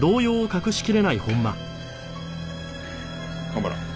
蒲原。